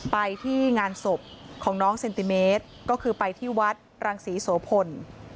ไปที่งานศพของน้องเซนติเมตรก็คือไปที่วัดรังศรีโสพล